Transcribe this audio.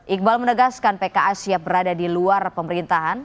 iqbal menegaskan pks siap berada di luar pemerintahan